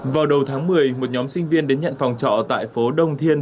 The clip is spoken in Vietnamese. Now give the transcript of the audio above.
vào đầu tháng một mươi một nhóm sinh viên đến nhận phòng trọ tại phố đông thiên